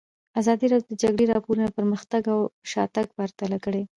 ازادي راډیو د د جګړې راپورونه پرمختګ او شاتګ پرتله کړی.